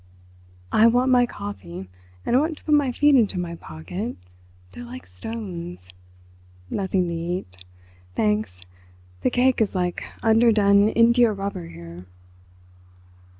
"I want my coffee, and I want to put my feet into my pocket—they're like stones.... Nothing to eat, thanks—the cake is like underdone india rubber here."